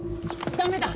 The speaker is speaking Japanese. ダメだ！